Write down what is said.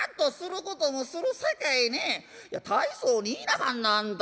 「いや大層に言いなはんなあんた。